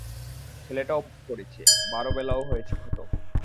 ছেলেটাও পড়েছে, বারবেলাও হয়েছে খতম্!